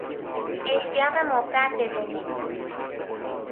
اشتیاق مفرط به زندگی